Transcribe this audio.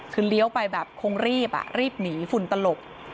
คือเลี้ยวไปแบบคงรีบรีบหนีฝุ่นตลบ